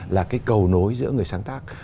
là cái cầu nối giữa người sáng tác